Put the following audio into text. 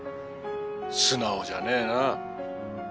素直じゃねえなあ。